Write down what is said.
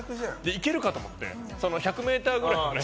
行けるかと思って１００ｍくらい。